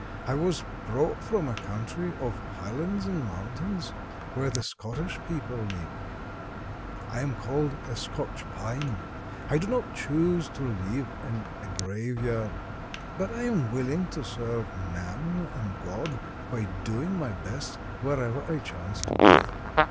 I was brought from a country of highlands and mountains where the Scottish people live. I am called a Scotch pine. I do not choose to live in a graveyard, but I am willing to serve man and God by doing my best wherever I chance to be.